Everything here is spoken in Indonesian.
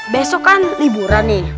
besok kan liburan nih